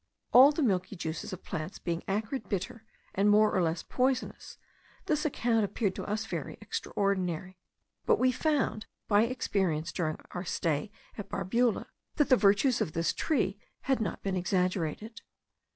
All the milky juices of plants being acrid, bitter, and more or less poisonous, this account appeared to us very extraordinary; but we found by experience during our stay at Barbula, that the virtues of this tree had not been exaggerated.